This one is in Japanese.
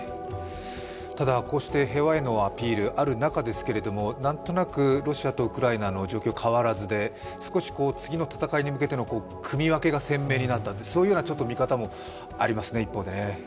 ただ、こうして平和のアピールがある中ですけれどもなんとなくロシアとウクライナの状況、変わらずで少し次の戦いに向けての組みわけが鮮明になったそういうような見方もありますね、一方で。